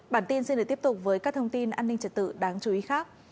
bản tin sẽ được tiếp tục với các thông tin an ninh trật tự đáng chú ý khác